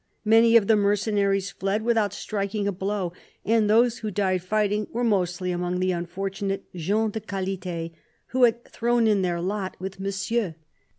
Many of the mercenaries fled without striking a blow, and those who died fighting were mostly among the unfortunate "gens de qualite" who had thrown in their lot with Monsieur.